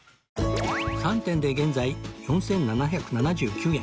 ３点で現在４７７９円